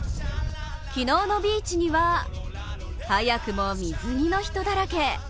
昨日のビーチには早くも水着の人だらけ。